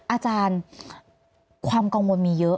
อาจารย์ความกังวลมีเยอะ